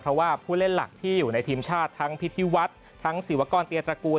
เพราะว่าผู้เล่นหลักที่อยู่ในทีมชาติทั้งพิธีวัฒน์ทั้งศิวกรเตียตระกูล